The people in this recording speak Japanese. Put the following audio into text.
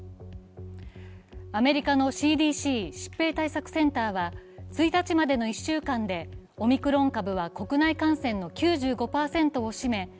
アメリカのＣＤＣ＝疾病対策センターは、１日までの１週間でオミクロン株は国内感染の９５％を占め